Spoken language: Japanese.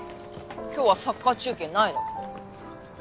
今日はサッカー中継ないだろ。